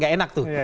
gak enak tuh